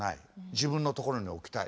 自分のところに置きたい。